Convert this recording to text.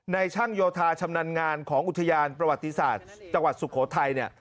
ช่างโยธาชำนาญงานของอุทยานประวัติศาสตร์จังหวัดสุโขทัยเนี่ย